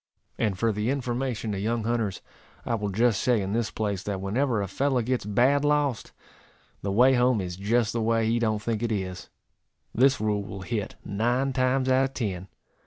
And for the information of young hunters, I will just say, in this place, that whenever a fellow gets bad lost, the way home is just the way he don't think it is. This rule will hit nine times out of ten.